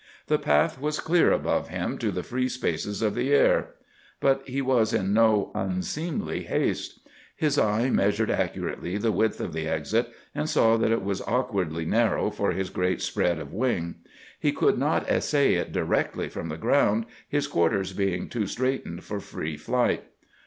The path was clear above him to the free spaces of the air. But he was in no unseemly haste. His eye measured accurately the width of the exit, and saw that it was awkwardly narrow for his great spread of wing. He could not essay it directly from the ground, his quarters being too straitened for free flight.